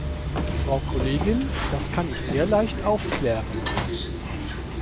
Frau Kollegin, das kann ich sehr leicht aufklären.